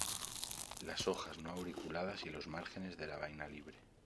Las hojas no auriculadas y los márgenes de la vaina libre.